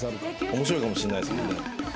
面白いかもしれないですもんね。